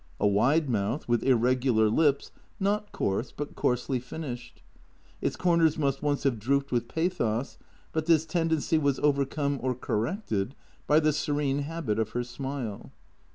A wide mouth with irregular lips, not coarse, but coarsely finished. Its corners must once have drooped with pathos, but this tendency was overcome or corrected by the serene habit of her smile.